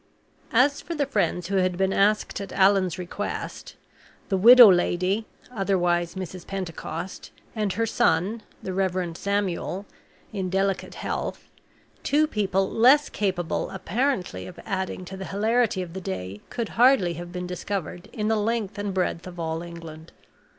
As for the friends who had been asked at Allan's request the widow lady (otherwise Mrs. Pentecost) and her son (the Reverend Samuel) in delicate health two people less capable, apparently of adding to the hilarity of the day could hardly have been discovered in the length and breadth of all England.